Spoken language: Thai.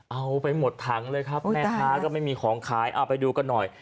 เอาไปหมดถังเลยครับแม่ค้าก็ไม่มีของขายเอาไปดูกันหน่อย